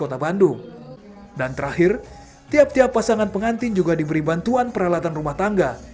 dan terakhir tiap tiap pasangan pengantin juga diberi bantuan peralatan rumah tangga